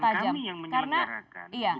karena bukan kami yang menyelenggarakan